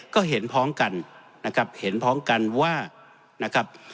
ก็เห็นพร้อมกันนะครับเห็นพร้อมกันว่านะครับ